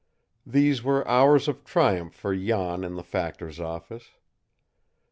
These were hours of triumph for Jan in the factor's office.